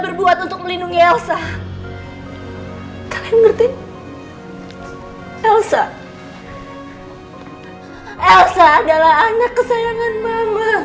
elsa adalah anak kesayangan mama